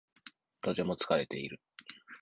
とても疲れている。